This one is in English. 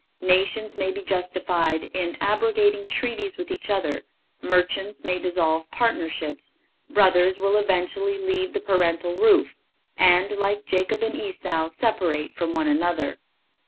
Nations may be justified in abrogating treaties with each other; merchants may dissolve partnerships; brothers will eventually leave the paternal roof, and, like Jacob and Esau, separate from one another.